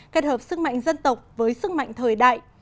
kết hợp sức mạnh dân tộc với sức mạnh thời đại